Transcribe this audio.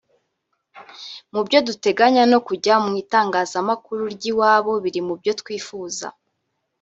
Mu byo duteganya no kujya mu itangazamakuru ry’iwabo biri mu byo twifuza